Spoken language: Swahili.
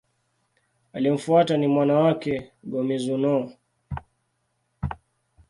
Aliyemfuata ni mwana wake, Go-Mizunoo.